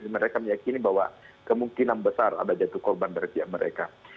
mereka meyakini bahwa kemungkinan besar ada jatuh korban dari pihak mereka